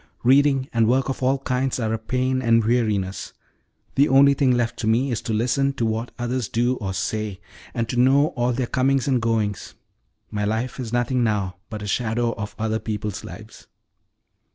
Reading and work of all kinds are a pain and weariness. The only thing left to me is to listen to what others do or say, and to know all their comings and goings. My life is nothing now but a shadow of other people's lives."